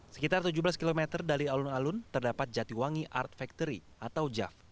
sekitar tujuh belas km dari alun alun terdapat jatiwangi art factory atau jav